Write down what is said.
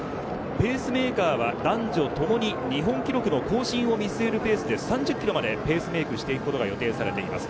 ペースメーカーは男女ともに日本記録更新を見据えるペースで３０キロまでペースメークすることが予定されています。